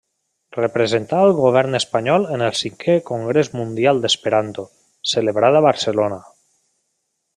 Representà al govern espanyol en el cinquè Congrés Mundial d'Esperanto, celebrat a Barcelona.